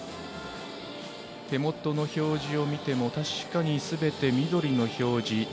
手元の表示を見てもすべて緑の表示。